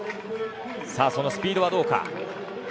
そのスピードはどうか。